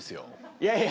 いやいや。